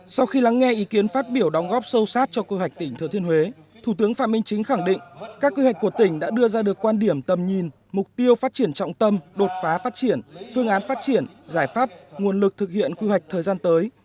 sau khi lắng nghe ý kiến phát biểu đóng góp sâu sát cho quy hoạch tỉnh thừa thiên huế thủ tướng phạm minh chính khẳng định các quy hoạch của tỉnh đã đưa ra được quan điểm tầm nhìn mục tiêu phát triển trọng tâm đột phá phát triển phương án phát triển giải pháp nguồn lực thực hiện quy hoạch thời gian tới